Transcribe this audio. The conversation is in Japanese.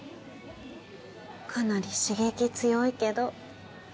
かなり刺激強いけどえっ？